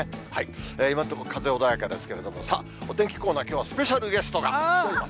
今のところ、風穏やかですけれども、さあ、お天気コーナー、きょうはスペシャルゲストが来ております。